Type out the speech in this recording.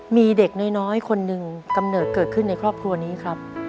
มีเด็กน้อยคนหนึ่งกำเนิดเกิดขึ้นในครอบครัวนี้ครับ